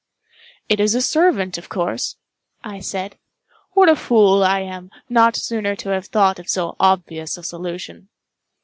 "It is a servant of course," I said; "what a fool I am, not sooner to have thought of so obvious a solution!"